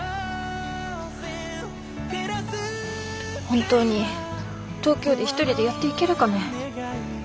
本当に東京で一人でやっていけるかね。